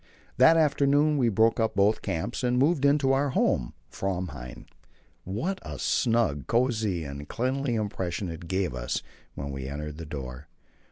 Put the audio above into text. That afternoon we broke up both camps, and moved into our home, "Framheim." What a snug, cosy, and cleanly impression it gave us when we entered the door!